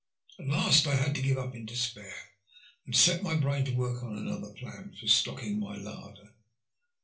At last I had to give it up in despair, and set my brain to work on another plan for stocking my larder.